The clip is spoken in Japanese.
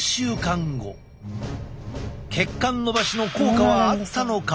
血管のばしの効果はあったのか？